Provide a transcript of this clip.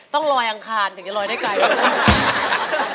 ต้องลอยอังคารถึงจะลอยได้ไกล